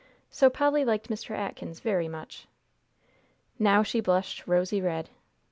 So Polly liked Mr. Atkins very much. Now she blushed rosy red.